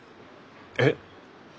えっ！？